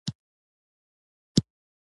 زموږ څخه هر یو ځان ته ارزښت قایل یو.